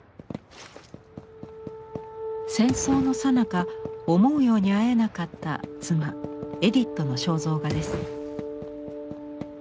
戦争のさなか思うように会えなかった妻エディットの肖像画です。